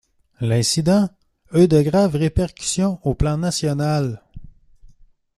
L’incident eut de graves répercussions au plan national.